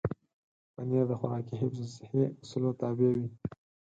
پنېر د خوراکي حفظ الصحې اصولو تابع وي.